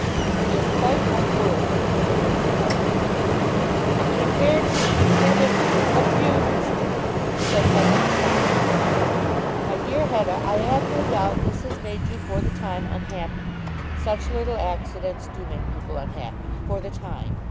"He is quite unworthy," said Lady Carbury. "I can't bear to have him abused," said Hetta sobbing. "My dear Hetta, I have no doubt this has made you for the time unhappy. Such little accidents do make people unhappy for the time.